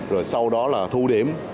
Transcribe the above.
rồi sau đó là thu điểm